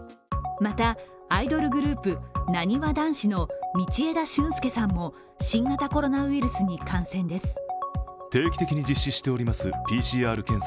また、アイドルグループ、なにわ男子の道枝駿佑さんも新型コロナウイルスに感染です。